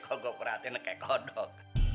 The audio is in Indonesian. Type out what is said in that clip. oh gue perhatiin kayak kodok